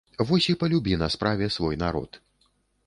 Вось і палюбі на справе свой народ!